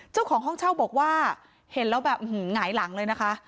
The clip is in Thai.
เจ้าของห้องเช่าบอกว่าเห็นแล้วแบบหงายหลังเลยนะคะ